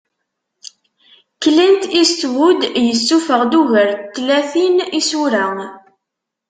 Clint Eastwood yessufeɣ-d ugar n tlatin isura.